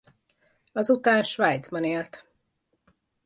Azután Svájcban élt.